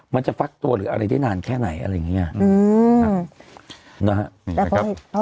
มันจะฟักตัวหรืออะไรได้นานแค่ไหนอะไรอย่างเงี้ยอืมนะฮะแต่